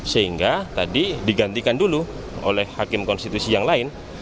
sehingga tadi digantikan dulu oleh hakim konstitusi yang lain